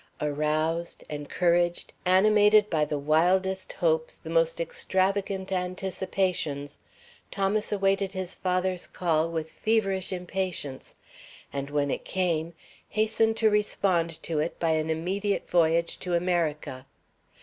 Aroused, encouraged, animated by the wildest hopes, the most extravagant anticipations, Thomas awaited his father's call with feverish impatience, and when it came, hastened to respond to it by an immediate voyage to America.